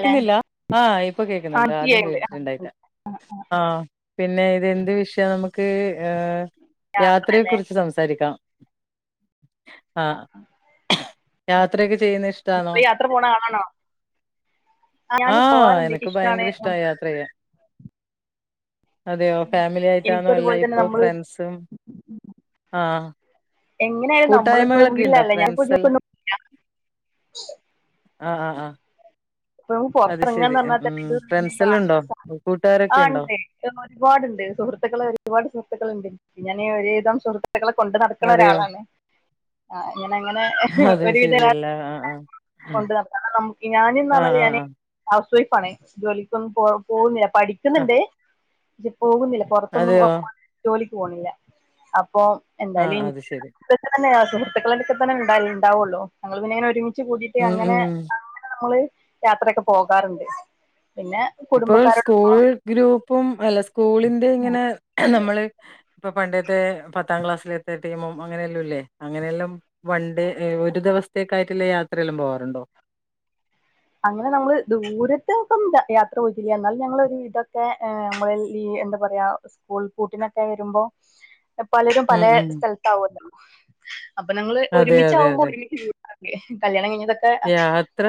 ല്ലെ ആ ഇപ്പൊ കേക്കുന്നുണ്ട് ആദ്യം ആക്കിയുണ്ട് കേട്ടിട്ടുണ്ടായില്ല ആ പിന്നെ ഇതെന്ത് വിഷയ നമുക്ക് ഏ യാത്രയെ അതെ കുറിച്ച് സംസാരിക്കാം ആ യാത്രയേക്കെ ചെയ്യുന്നത് ഇഷ്ടാണോ ത്ര പോണ ആളാണോ ഞാൻ ആ പോവാറുണ്ട് എനിക്ക് എനക്ക് ഇഷ്ടാണ് ഭയങ്കര ഇഷ്ടാ യാത്ര ചെയ്യാൻ അതെയോ ഫാമിലി ആയിട്ടാന്നൊ എനിക്കും അല്ല അതുപോലെ തന്നെ ഇപ്പോ നമ്മള് ഫ്രണ്ട്സും ആ എങ്ങനെ ആയലും നമ്മളിപ്പോ കൂട്ടായ്മകളൊക്കെ ഉണ്ടോ വീട്ടിലല്ലേ ഞാന്പ്പോ ഫ്രണ്ട്സ് എല്ലാം [unintelligible] ആ ആ ആ ഇപ്പം അത് ശരി പൊർത്തർങ്ങാന്ന് പർഞ്ഞാ ഉം തന്ന ഫ്രണ്ട്സ് [unintelligible] എല്ലാം ഉണ്ടോ ആശ്വാസ ആ കൂട്ടുകാരൊക്കെ ഉണ്ടോ ഇണ്ടേ ഒരുപാട്ണ്ട് സുഹൃത്തുക്കള് ഒരുപാട് സുഹൃത്തുക്കള് ഇണ്ട് ഞാന് ഒരുവിധം സുഹൃ ത്ത്ക്കളെ കൊണ്ട് നട്ക്ക്ണ അതെയോ ഒരാളാണ് ആ ഇങ്ങനെ ഇങ്ങനെ അത് ഒരു വിധ എലാ ശരിയല്ല ആ ആ കൊണ്ട് [unintelligible] ഞാന് ന്ന് ആ പർഞാല് ആ ഞാന് ആ ഹൗസ് വൈഫ് ആണ് ജോലിക്കൊന്നും പോ പോവുന്നില്ല ആ പഠിക്കുന്നുണ്ട് പക്ഷേ പോവുന്നില്ല പൊർത്തൊന്നും അതെയോ ജോലിക്ക് പോണില്ല അപ്പൊ ആ എന്തായാലും അത് ശരി തന്നെയ സുഹൃത്തുക്കളക്കൊക്കെ തന്നെ ഇണ്ടാൽ ഇണ്ടാവോള്ളൂ ഞങ്ങള് പിന്നെ അങ്ങനെ ഒരു മിച്ച് കൂടിട്ട് ഉം അങ്ങനെ ഉം അങ്ങന നമ്മള് യാത്രയക്കെ പോകാറുണ്ട് പിന്നെ ഇപ്പോൾ സ്കൂൾ കുടുംബക്കാരോടൊപ്പം ഗ്രൂപ്പും അല്ല സ്കൂളിന്റെ ഇങ്ങനെ നമ്മള് ഇപ്പൊ പണ്ടത്തെ പത്താം ക്ലാസ്സിലെത്തിയ ടീമും അങ്ങനെയെല്ലു ഇല്ലേ അങ്ങനെയെല്ലം വൺ ഡേ ഒരു ദിവസ്ത്തേക്കായിട്ട്ള്ള യാത്രയെല്ലം പോവാറുണ്ടോ അങ്ങനെ നമ്മള് ദൂരത്തെക്കും യ യാത്ര പോയിക്കില്ല എന്നാലും ഞങ്ങളൊരു ഇതൊക്കെ നമ്മള ഈ എന്ത പറയാ സ്കൂൾ പൂട്ടിനൊക്കെ വരുമ്പോ പലരും ഉം പലെ ഉം. സ്ഥൽത്ത് ആവോല്ലോ അപ്പം നങ്ങള് അതെ, അതെ, ഒരുമിച്ചാവുമ്പോ അതെ. ഒരുമിച്ച് അതെ കല്യാണം കഴിഞ്ഞതൊക്കെ ത്ര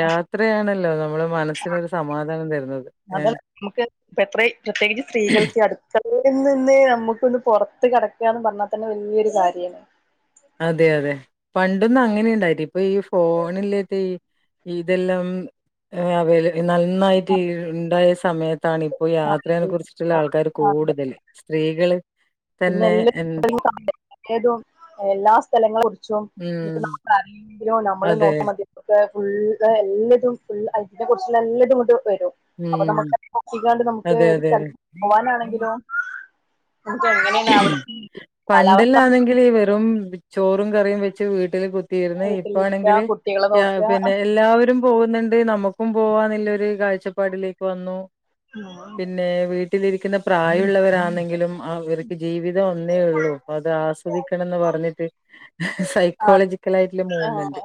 യാത്രയാണല്ലോ നമ്മുടെ മനസ്സിനൊരു സമാധാനം തരുന്നത് അത ഏഹ്. നമുക്ക് ഇപ്പ എത്രയ്‌ പ്രത്യേകിച്ച് സ്ത്രീകൾക്ക് അടുക്കളയിൽ നിന്ന് ന്ന് നമുക്കൊന്ന് പൊർത്ത് കടക്കാന്ന് പർഞ്ഞാ തന്നെ വല്ല്യോരു കാര്യാണ് അതെ അതെ പണ്ടൊന്നും അങ്ങനെയുണ്ടായിട്ടി ഇപ്പൊ ഈ ഫോണ് ഇല്ല്യാത്തെ ഇതെല്ലം അവല് നന്നായിട്ട് ഇ ഇണ്ടായ സമയത്താണ് ഇപ്പോ യാത്രയെ കുർച്ച് മറ്റുള്ള ആൾക്കാര് അതെ കൂടുതല് സ്ത്രീകള് പിന്നെ തന്നെ എല്ലം എൻ [unintelligible] എല്ലാ സ്ഥലങ്ങളെ കുർച്ചും ഉം [unintelligible] നമ്മള് അതെ നോക്കി മതി ഫുൾ എല്ലതും ഫുൾ [unintelligible] കുറിച്ച് എല്ലതും ഇങ്ങോട്ട് വരും ഉം അപ്പൊ നമുക്ക് [unintelligible] നമുക്ക് അതെ ഒരു അതെ അതെ സ്ഥലത്ത് പോവാനാണെങ്കിലോ നമുക്ക് എങ്ങനെയാണ് അവിടുത്തെ കാലാവസ്ഥ പണ്ടെല്ലാണെങ്കില് വെറും ചോറും കറിയും വെച്ച് വീട്ടില് കു കുത്തിരൂന്ന് വീട്ടിലിരിക്ക ഇപ്പാണെങ്കില് കുട്ടികളെ നോക്ക പിന്നെ എല്ലാവരും പോകുന്നുണ്ട് നമുക്കും പോവാൻള്ള ഒരു കാഴ്ചപ്പാടിലേക്ക് വന്നു പിന്നെ വീട്ടിൽ വീട്ടിലിരിക്കുന്ന പ്രായമുള്ളവരാണെങ്കിലും ആ ഇവർക്ക് ജീവിതം ഒന്നേ ഉള്ളൂ അപ്പൊ അത് ആസ്വദിക്കണംന്ന് പറഞ്ഞിട്ട് സൈക്കോളജിക്കൽ ആയിട്ടുള്ള മൂവ്മെന്റ്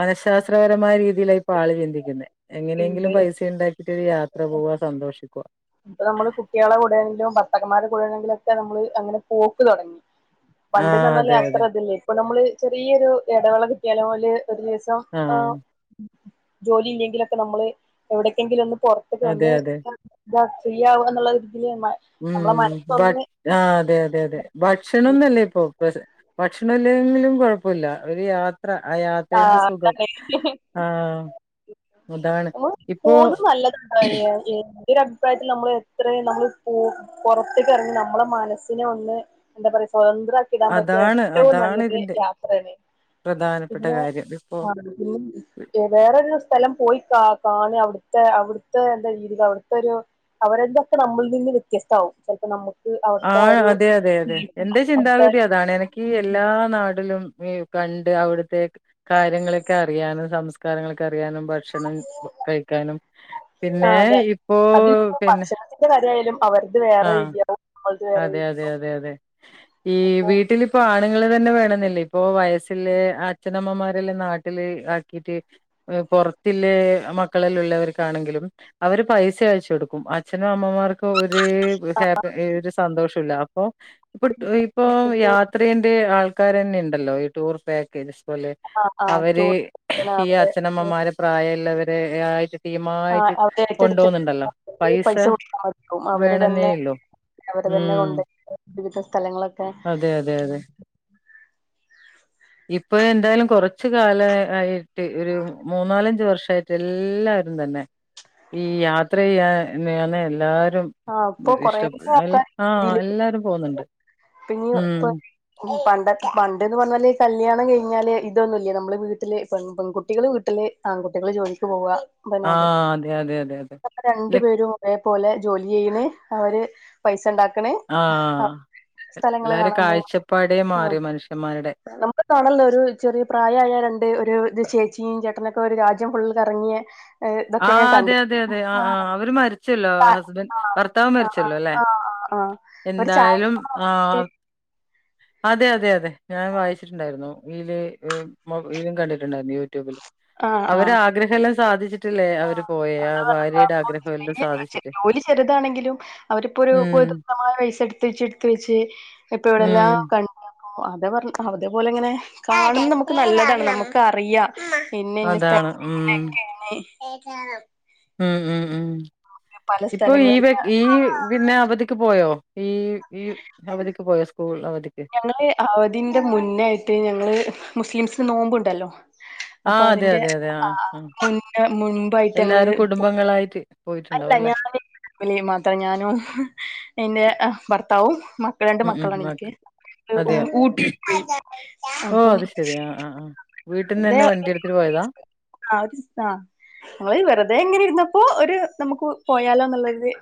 മനഃശാസ്ത്രപരമായ രീതിയിലായി ആൾ ചിന്തിക്കുന്നത് എങ്ങനെങ്കിലും ഇത് പൈസ ഉണ്ടാക്കി യാത്ര പോവാ സന്തോഷിക്കുക ഇപ്പ നമ്മൾ കുട്ടികളെ കൂടെ ആണെങ്കിലും ഭർത്തക്കന്മാരെ കൂടെ ആണെങ്കിലും ഒക്കെ നമ്മൾ അങ്ങനെ പോക്ക് തുടങ്ങി പണ്ട് ന്ന് ആഹ് പറഞാൽ അതെ അതെ അത്ര ഇതില്ലേയിരുന്നു ഇപ്പൊ നമ്മള് ചെറിയൊരു ഇടവേള കിട്ടിയാല മൊതല് ഒരു ദിവസം ആഹ് ജോലി ഇല്ലെങ്കിലൊക്കെ നമ്മൾ എവിടക്കെങ്കിലും ഒന്ന് പുറത്തേക്ക് അതെ ഒന്ന് അതെ ഇതാ ഫ്രീയവാ എന്നുള്ളര്തില് ഉം ആഹ് അതെ അതെ അതെ ഭക്ഷണംന്നല്ലേ ഇപ്പൊ ഭക്ഷണം ഇല്ലെങ്കിലും കുഴപ്പമില്ല ഒരു യാ യാത്ര ആ യാത്രന്റെ ആഹ് സുഖം ആഹ് അതാണ് ഓഹ് ഇപ്പോ [unintelligible] എൻ്റെ അഭിപ്രായത്തിൽ നമ്മൾ എത്രയും നമ്മൾ പുറത്ത് കിറങ്ങി നമ്മളെ മനസ്സിനെ ഒന്ന് എന്താ പറയാ സ്വതന്ത്രക്കി ഇടാൻ പറ്റിയ അതാണ് ഏറ്റവും അതാണ് നല്ലൊരു ഇതിന്റെ യാത്രയാണ് പ്രധാനപ്പെട്ട പിന്നെ കാര്യം ഇപ്പോ ആ വേറൊരു സ്ഥലം പോയി കാ കാണി അവിടുത്തെ അവിടുത്തെ എന്താ രീതിൽ അവിടുത്തെരു അവരതൊക്കെ നമ്മിൽ നിന്ന് വ്യത്യസ്തമാവും ചിലപ്പോ നമ്മുക്ക് ആ അതെ അതെ അതെ എന്റെ അവിടുത്തെ ചിന്താഗതി അതാണ് എനക്ക് എല്ലാ നാടിലും ഈ കണ്ട് അവിടത്തെേക്ക് കാര്യങ്ങളൊക്കെ അറിയാനും സംസ്കാരങ്ങളൊക്കെ അറിയാനും ഭക്ഷണം കഴിക്കാനും ആ പിന്നെ അതെ ഇപ്പോ അതിൽ പിന്നെ ഭക്ഷണത്തിന്റെ കാര്യായാലും അവരത് വേറെ ആഹ് രീതിയാവും നമ്മളത് വേറെ അതെ അതെ രീതിയാവും അതെ അതെ ഈ അപ്പൊ വീട്ടിലിപ്പോ ആണുങ്ങൾ തന്നെ വേണെന്നില്ലേ ഇപ്പൊ വയ ബസ്സിൽ അച്ഛനമ്മമാരെല്ലാം നാട്ടില് ആക്കിട്ട് പൊറത്തില്ലേ മക്കളല്ല ഉള്ള വർക്കാണെങ്കിലും അവര് പൈസ അയച്ച് കൊടുക്കും അച്ഛനും അമ്മമാർക്ക് ഒരു ഒര് ഹാപ്പി ഒര് സന്തോഷല്ല അപ്പൊ ഇപ്പൊ നമുക്ക് യാ ഇത്രേന്റെ ആൾക്കാര് തന്നെ ണ്ടല്ലോ ഈ ടൂർ പാക്കേജ് പോലെ ആ ആ അവര് ടൂർ ഈ അവര് അച്ഛനമ്മമാരെ പ്രായമുള്ളവരെ ആയിട്ട് ആ കൃത്യമായിട്ട് അവര് കൊണ്ട് ഏറ്റെടുത്തിട്ട് പോകുന്നുണ്ടല്ലോ? പൈസ വേണെന്നേള്ളൂ അവടെ തന്നെ കൊണ്ട് ഇങ്ങനത്തെ സ്ഥലങ്ങളൊക്കെ അതെ അതെ അതെ ഇപ്പൊ എന്തായാലും കൊറച്ച് കാല ആയിട്ട് ഒരു മൂന്നാലഞ്ച് വർഷമായി എല്ലാരും തന്നെ ഈ യാത്ര ചെയാണ് എല്ലാരും ആ ഇപ്പൊ ഇഷ്ട കൊറേ ആ എല്ല ആൾക്കാര് ആഹ് ഇതില് എല്ലാരും പോകുന്നുണ്ട് ഉം ഉം പണ്ടതെ പണ്ടന്ന് പറഞ്ഞാല് കല്യാണം കെയിഞ്ഞാല് ഇതൊന്നുംല്ല്യ. നമ്മള് വീട്ടിലെ പെൺ പെൺകുട്ടികള് വീട്ടില് ആൺകുട്ടികളി ജോലിക്ക് പോവാ ബനാ ആഹ് അതെ, അതെ, അതെ, അതെ. അപ്പൊ രണ്ടു ല പേരും ഒരേപോലെ ജോലി ചെയ്യ്ന് അവര് പൈസ ഇണ്ടാക്കണ് എല്ലാരും കാഴ്ചപ്പാടേ മാറി മനുഷ്യന്മാരുടെ ഇപ്പൊ കാണണുണ്ട് ഒരു ചെറിയ പ്രായായ രണ്ട് ഒരു ചേച്ചിയും ചേട്ടനൊക്കെ ഒരു രാജ്യം ഫുള്ള് കറങ്ങിയ ഇതൊക്കെ ഞാൻ ആഹ് അതെ കണ്ട് അതെ അതെ ആ ആഹ് ആഹ് അവര് മരിച്ചല്ലോ ആ ഹസ്ബന്റ് ഭർത്താവ് ആ ആ മരിച്ചല്ലോ അല്ലേ? ആ ആ ഒരു ചായ എന്തായാലും ലും ആഹ് അതെ അതെ അതെ ഞാൻ വായിച്ചിട്ടുണ്ടായിരുന്നു. യില് ഇ മൊബൈലും കണ്ടിട്ടുണ്ടായിരുന്നു യൂട്യൂബിൽ ആ ആ അവര് ആഗ്രഹ എല്ലാം സാധിച്ചിട്ട ആഹ് എല്ലാം [unintelligible] സാധിച്ചിട്ട്. ജോലി ചെറുതാണെങ്കിലും അവരിപ്പോ ഉം ഒരു നമ്മളാ പൈസ എടുത്ത് വെച്ച് എടുത്ത് വെച്ച് ഇപ്പൊ ഇവിടെല്ലാം ഉം ക അതാപറഞ്ഞ് അതേപോലെ ഇങ്ങനെ കാണുന്ന നമ്മുക്ക് നല്ലതാണ് നമ്മുക്ക് അറിയാം അതാണ് ഉം. [unintelligible] ഉം ഉം ഉം പല ഇപ്പൊ ഈ സ്ഥലങ്ങളില വെ ഈ പിന്നെ അവധിക്ക് പോയോ ഈ ഈ അവധിക്ക് പോയോ സ്കൂൾ അവധിക്ക് ഞങ്ങള് അവധിന്റെ മുന്നായിട്ട് ഞങ്ങള് മുസ്ലിംസിന് നോമ്പുണ്ടല്ലോ? ആ അപ്പൊ അതെ അതിന്റെ അതെ അതെ ആ ആഹ് ആ മുന്നെ മുൻപായിട്ട് ഞങ്ങള് പോ [unintelligible] പോയിട്ടുണ്ട് ഇല്ല ഞാന് [unintelligible] മാത്രം ഞാനും എന്റെ ഭർത്താവും രണ്ട് ഉം ഉം മക്കളാണ് മക്ക എനിക്ക് അതെയോ? ഓ അത് ശരി ആ ആ ആ വീട്ടിന്ന് [unintelligible] [unintelligible] ആഹ് [unintelligible] വെറുതെ ഇങ്ങനെ ഇരുന്നപ്പോ ഒരു നമ്മുക്ക് പോയാലോന്നുള്ളൊര്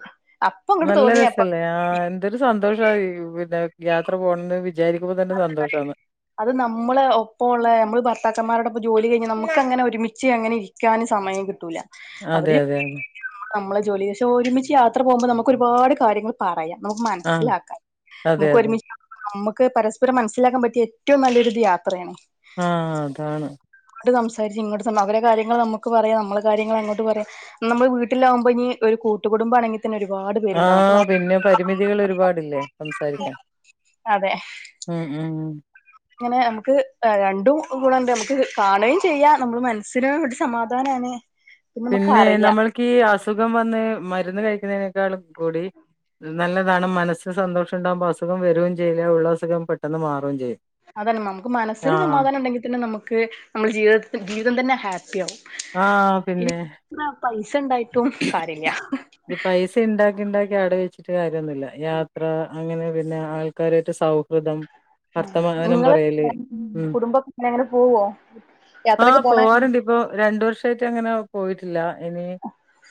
നല്ല രസല്ലേ ആഹ് എന്തൊരു സന്തോഷ [unintelligible] യാത്ര പോകണെന്ന് വിചാരിക്കുമ്പം തന്നെ സന്തോഷമാണ് അത് നമ്മള് ഒപ്പ ഒള്ള നമ്മള് ഭർത്താക്കന്മാരോടൊപ്പം ജോലി കഴിഞ്ഞാൽ നമ്മുക്ക് അങ്ങനെ ഒരുമിച്ച് അങ്ങനെ ഇരിക്ക ഇരിക്കാന് സമയം കിട്ടൂല അതെ അവിടെയും അതെ അതെ [unintelligible] പക്ഷേ ഒരുമിച്ച് യാത്ര പോകുമ്പോൾ നമ്മുക്ക് ഒരുപാട് കാര്യങ്ങള് പറയാം നമ്മുക്ക് ആ. മനസിലാക്കാം അതെ നമ്മുക്ക് അതെ. ഒരുമിച്ച് [unintelligible] നമ്മുക്ക് പരസ്പ പരസ്പരം മനസിലാക്കാൻ പറ്റിയ ഏറ്റവും നല്ലൊരു ഇത് യാത്രയാണ് ആഹ് ആഹ് അതാണ് അങ്ങോട്ട് സംസാരിച്ച് ഇങ്ങോട്ട് സംസാരിച്ച് അവരെ കാര്യങ്ങൾ നമ്മുക്ക് പറയാ നമ്മള കാര്യങ്ങൾ അങ്ങോട്ട് പറയാം നമ്മൾ വീട്ടിലാവുമ്പോ ഇനി ഒരു കൂട്ടുകുടുംബം ആണെങ്കിൽ ഒരുപാട് പേരുണ്ടാവും അപ്പൊ ആഹ് നമ്മ പിന്നെ പരിമിതികൾ ഒരുപാടില്ലേ സംസാരിക്കാൻ ഉം ഉം ഉം ഇങ്ങനെ നമ്മുക്ക് രണ്ടും ഗുണണ്ട് നമ്മുക്ക് കാണുകയും ചെയ്യാം നമ്മള് മനസ്സിന് ഒരു സമാധാനമാണ് പിന്നെ നമ്മൾക്ക് ഈ അസുഖം വന്ന് മരുന്ന് കഴിക്കുന്നതിനേക്കാളും കൂടി നല്ലതാണ് മനസ്സ് സന്തോഷം ഉണ്ടാകുമ്പോ അസുഖം വരുവെചെയ്യില്ല ഉള്ള അസുഖം പെട്ടെന്ന് മാറുകയും ചെയ്യും അതാണ് നമ്മുക്ക് മനസ്സിന് ആഹ് സമാധാനം ഉണ്ടെങ്കിൽ പിന്നെ നമ്മുക്ക് നമ്മുടെ ജീവിതത്തി ജീവിതം തന്നെ ഹാപ്പി ആവും ആഹ് പിന്നെ [unintelligible] പൈസ ഉണ്ടായിട്ടും കാര്യം ഇല്ല ഉണ്ടാക്കി ഉണ്ടാക്കി അവിടെ വെച്ചിട്ട് കാര്യമൊന്നുമില്ല യാത്ര അങ്ങനെ പിന്നെ ആൾക്കാരായിട്ട് സൗഹൃദം വർത്തമാനം നിങ്ങള് പറയല് ഉം [unintelligible] ഇങ്ങനെ പോവോ യാത്രക്ക് [unintelligible] പോവാറുണ്ടിപ്പൊ രണ്ടു വർഷായിട്ടങ്ങനെ പോയിട്ടില്ല ഇനി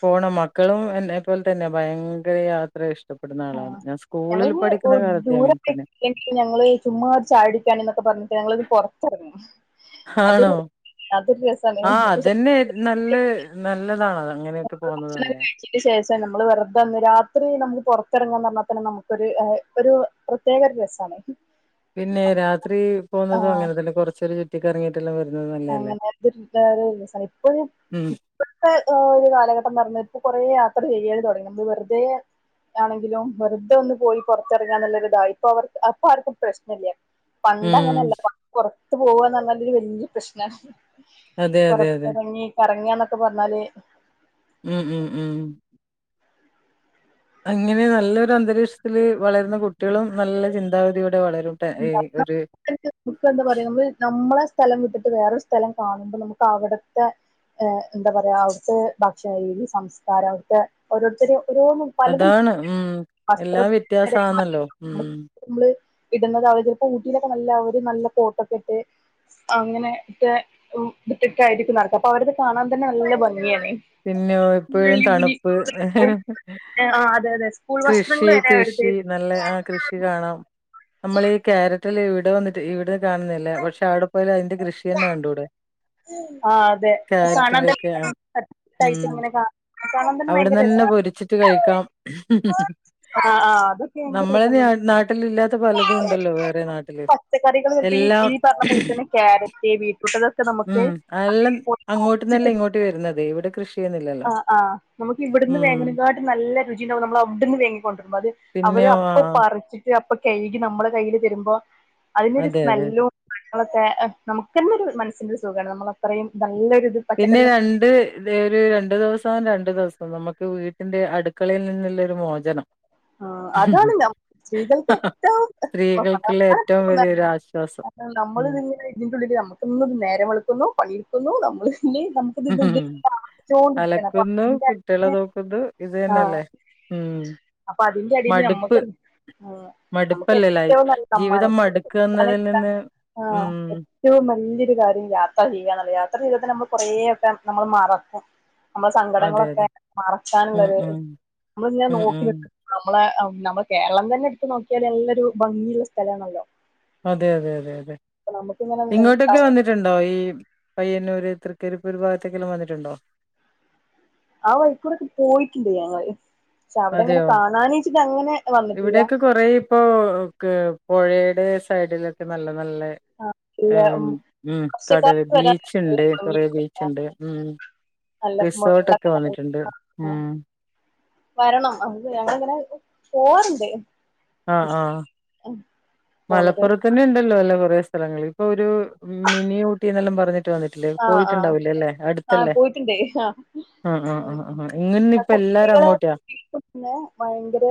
പോണം. മക്കളും എന്നെ പോലെ തന്നെ ഭയങ്കര യാത്ര ഇഷ്ടം ഇഷ്ടപ്പെടുന്ന ആളാണ്. ആഹ് ഞാൻ സ്കൂളിൽ പഠിക്കുന്ന കാലത്തെ അങ്ങനെ തന്നെ എനിക്ക് ഞങ്ങള് ചുമ്മാ ഒരു ചായടിക്കാന് ന്നൊക്കെ പർഞ്ഞിട്ട് ഞങ്ങളൊരു പൊർത്തർങ്ങി ഹാണോ ആഹ് അതെന്നെ നല്ല നല്ലതാണത് അങ്ങനെയൊക്കെ പോവുന്നത് ന്നല്ലെ ച്ചന്റെ ശേഷം നമ്മള് വെറുതൊന്ന് രാത്രി നമുക്ക് പുറത്തിറങ്ങാന്നർഞ്ഞാ തന്നെ നമുക്കൊരു ഏഹ് ഒരു പ്രത്യേക ഒരു രസാണഹ് പിന്നെ രാത്രി പോകുന്നതും ആഹ് അങ്ങനെ തന്നെ കൊറച്ചരു ചുറ്റിക്കറങ്ങിയിട്ടെല്ലാം വരുന്നത് നല്ലയല്ലേ? അങ്ങനെത്തെ [unintelligible] ചെൽപ്പഹ് ഉം ഇവിത്തെ ഒരു കാലഘട്ടംന്ന് പറഞ്ഞാ ഇപ്പൊ കുറേ യാത്ര ചെയ്യുകയാണ് തുടങ്ങി നമ്മള് വെറുതെ ആണെങ്കിലും വെറുതെ ഒന്ന് പോയി പൊറത്തിറങ്ങാന്ന്ല്ലൊരിതായി ഇപ്പൊ അവർക്ക് അപ്പ ആർക്കും പ്രശ്നല്ല ഉം പണ്ടങ്ങനെയല്ല പണ്ട് പൊറത്ത് പോവാന്നർഞാല് വല്യ പ്രശ്ന അതെ അതെ അതെ. പൊറത്തെറങ്ങി കറങ്ങ ന്നൊക്കെ പർഞ്ഞാല് ഉം ഉം ഉം അങ്ങനെ നല്ലൊരു അന്തരീക്ഷത്തില വളരുന്ന കുട്ടികളും നല്ല ചിന്താഗതിയോടെ വളരും ട്ട ഉ ഈ [unintelligible] ഒരു നമുക്ക് എന്താ പറയാ നമ്മ നമ്മളെ സ്ഥലം വിട്ടിട്ട് വേറൊരു സ്ഥലം കാണുമ്പൊ നമുക്ക് അവിടുത്തെ എഹ് എന്താ പറയാ അവിടുത്തെ ഭക്ഷണരീതി സംസ്കാരം അവിടുത്തെ ഓരോര്ത്തരി ഓരോന്നും പലതും അതാണ്.. ഉം വസ്ത്ര എല്ലാം വ്യത്യാസാന്നല്ലോ ഉം നമ്മള് ഇടുന്നത അവ ചിലപ്പോ ഊട്ടയിലൊക്കെ നല്ല ഒരു നല്ല കോട്ടൊക്കെ ഇട്ട് അങ്ങനെത്തെ ഉം ഇട്ടിട്ടായിരിക്കും നടക്ക. അപ്പൊ അവരത് കാണാൻ തന്നെ നല്ല ഭംഗിയാണേ പിന്യോ എപ്പഴും തണുപ്പ് വേ ആ അതെ അതെ സ്കൂൾ വസ്ത്രങ്ങൾ കൃഷി വരെ അവരത് കൃഷി നല്ല ആ കൃഷി കാണാം നമ്മളീ ക്യാരറ്റ് ട്ടെല്ല ഇഇടെ വന്നിട്ട് ഇവിടെന്ന് കാണുന്നില്ല പക്ഷെ ആവിടെ പോയാല് അതിന്റെ കൃഷി തന്നെ കണ്ടൂടെ ആ അതെ ക്യാരറ്റിന്റെ സാനന്ദ ഒക്കെ ആ ഉം ഇങ്ങനെ സാനന്ദന്നെ ഭയങ്കര രസമാണ് ട്ട്കഴിക്കാം ആ ആ അതൊക്കെ ഭയങ്കര നമ്മളെ ന രസമാണ് നാട്ടിലില്ലാത്ത പലതുണ്ടല്ലോ വേറെ നാട്ടില് പച്ചക്കറികള് വട്ത്ത എല്ലാം ഈ പറഞ്ഞ പോലെ തന്നെ ക്യാരറ്റ് ബീട്രൂട്ട് തൊക് ഉം അഎല്ലം അങ്ങോട്ട്ന്നല്ലേ ഇങ്ങോട്ട് വരുന്നത് ഇവിടെ കൃഷി ചെയ്യുന്നില്ലല്ലോ അഹ് ആഹ് നമുക്ക് ഇവിടുന്ന് ഉം വേങ്‌ണങ്കാട്ടി നല്ല രുചിണ്ടാകും നമ്മളവ്ട്ന്ന് വേങ്ങിക്കൊണ്ട്ര്വരുമ്പൊ അത് അവര് പിന്നെയോ ആ അപ്പൊ പറിച്ചിട്ട് അപ്പൊ കഴുകി നമ്മളുടെ കയ്യിൽ തരുമ്പോ അതിനൊരു അതെ അതെ സ്മെല്ലും മങ്ങളൊക്കെ നമുക്ക് ന്നെ ഒരു മനസ്സിനൊരുഖാണ്. നമ്മളത്രയും നല്ലൊരുത് പിന്നെ രണ്ട് ഇതെ ഒരു രണ്ടു ദിവസവു രണ്ടു ദിവസവും നമുക്ക് വീട്ടിന്റെ അടുക്കളയിൽ നിന്നുള്ളരു മോചനം ആഹ് അതാണ് നം സ്ത്രീകൾക്ക് ഏറ്റവും സ്ത്രീകൾക്കുള്ള ഏറ്റവും [unintelligible] വലിയൊരു ആശ്വാസം ന്നമ്മള് ഇത്ങ്ങന്നെ ഇതിനുള്ളില് ന്നമ്മക്ക് ഇന്ന് ന്നേരം വെള്ക്കുന്നു പണിട്ക്കുന്നു ന്നമ്മൾനി അലക്കുന്നു അതിന്റെ കുട്ടിയാളെ അടിയില് ന്നോക്കുന്നു ഇത് ആഹ് തെന്നെല്ലേ? ഉം അപ്പൊ അതിന്റെ അടിയിൽ മടുപ്പ് നമ്മക്ക് ആഹ് നമുക്ക് മടുപ്പല്ലെ ലൈ ഏറ്റവും നല്ല ജീവിതം മനസ്സിന് മടുക്ക സമാധാനം എന്നതിൽ കിട്ടാൻ നിന്ന് ആഹ് ഉം ഏറ്റവും വല്ല്യൊരു കാര്യം യാത്ര ചെയ്യാന്നല്ലെ. യാത്ര ചെയ്യ്താ ന്നമ്മൾ കുറേയൊക്കെ ന്നമ്മള് മറക്കും. ന്നമ്മളെ അതെ സങ്കടങ്ങളൊക്കെ അതെ ഉം മറക്കാനുള്ളരു ഉം ന്നമ്മള് ഇങ്ങനെ ഉം ഉം നോക്കിന്നി ന്നമ്മളെ ഹ് ന്നമ്മള് കേരളം തന്നെ എടുത്തു നോക്കിയാല് അല്ലൊരു ഭംഗിള്ള സ്ഥലാണല്ലോ? അതെ, അതെ, അതെ, അതെ അപ്പൊ നമുക്കിങ്ങനെ ഇങ്ങോട്ടൊക്കെ വന്നി ട്ടുണ്ടോ ഈ പയ്യന്നൂര് തൃക്കരിപ്പൂർ ഭാഗത്തേക്കെല്ലാം വന്നിട്ടുണ്ടോ ആ വഴികുടൊക്കെ പോയിട്ടുണ്ട് ഞങ്ങള് ശെ അവടെങ്ങനെ അതെയോ കാണാന്ച്ചിട്ട് അങ്ങനെ വന്ന്ട്ടില്ല്യ കൊറെ ഇപ്പോ ഒക്കെ പൊഴേടെ സൈഡിലൊക്കെ നല്ലെ നല്ലെ ഇല്ല ഉം ഏഹ് ഉം കടല് വർഷക്കാലത്ത് വരാൻ നല്ല ബീച്ച്ണ്ട് ഭംഗി കൊറേ ബീച്ച്ണ്ട് ഉം നല്ല റിസോട്ടൊക്കെ വെള്ളക്കാലം വന്നിട്ടുണ്ട് ഉം ആഹ് വരണം അത് ഞങ്ങളിങ്ങനെ പോവാർണ്ട് ആഹ് ആഹ് പോണത്. മലപ്പുറത്തെന്നെ ഇണ്ടല്ലോ അല്ലോ കൊറേ സ്ഥലങ്ങള് ഇപ്പൊ ഒരു മിനി ഊട്ടിന്നെല്ലാം പറഞ്ഞിട്ട് വന്നിട്ടില്ലേ ആഹ് ആഹ് പോയിട്ടുണ്ടാവൂലലേ ആഹ് അടുത്തല്ലേ പോയിട്ടുണ്ട് ആഹ് ആഹ് ആഹ് ആഹ് ഇങ്ങ്ന്ന് ഇപ്പെ എല്ലാരും അങ്ങോട്ടെയാ ന്നെ ഭയങ്കര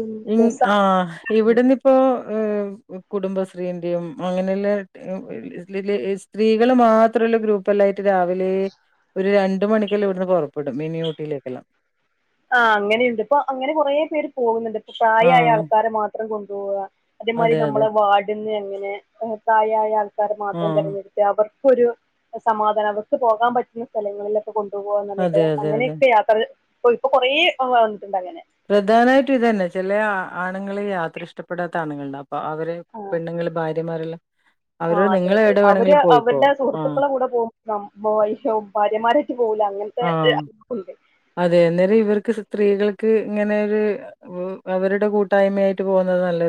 ഉം ഇങ് രസാണ് ആഹ് ഇവിടുന്ന് ഇപ്പോ ഏഹ് കുടുംബശ്രീന്റെയും അങ്ങനെല്ലെ ഇതില് സ്ത്രീകള് മാത്രള്ള ഗ്രൂപ്പല്ലായ്ട്ട് രാവിലെ ഒര് രണ്ട് മണിക്കെല്ലാം ഇവിടുന്ന് പുറപ്പെടും മിനി ഊട്ടിയിലേക്കെല്ലാം ആഹ് അങ്ങനീണ്ട് ഇപ്പൊ അങ്ങനെ കൊറെ പേര് പോകുന്നുണ്ട് ഇപ്പൊ പ്രായമായ ആഹ് ആൾക്കാരെ മാത്രം കൊണ്ടുപോവ അതേമാതിരി അതെ അതെ ന്നമ്മളെ വാർട്ന്ന് എങ്ങനെ പ്രായായ ആൾക്കാർ മാത്രം ആഹ് തിരഞ്ഞെട് അവർക്കൊരു സമാധാനം അവർക്ക് പോകാൻ പറ്റിയ സ്ഥലങ്ങളിലൊ കൊണ്ടുപോവാർഞ്ഞിട്ട് അതെ അതെ അതെ അങ്ങനെയെക്കെ യാത്ര പ്പൊ ഇപ്പൊ കൊറേ വന്നിട്ടുണ്ട് അങ്ങനെ പ്രധാനായിട്ടും ഇതെന്നെ ചെലെ ആണുങ്ങൾ യാത്ര ഇഷ്ടപ്പെടാത്ത ആണുങ്ങൾണ്ടാവും അപ്പോ അവര് പെണ്ണുങ്ങള് ഭാര്യമാരെല്ലാം ആഹ് അവരോട് അതെ നിങ്ങള് അതെ എവിടെ അവര് വേണമെങ്കിലും പോയിക്കോ അവരുടെ ആഹ് സുഹൃത്തുക്കളെ കൂടെ പോകും ന്നം ബോയിശോ ഭാര്യമാരൊറ്റ് പോകൂല അങ്ങനെ ആഹ് അതെന്നേരം ഇവർക്ക് സ്ത്രീകൾക്ക് ഇങ്ങനൊര് അവരുടെ കൂട്ടായ്മയായിട്ട് പോകുന്നത് ന്നല്ലൊരു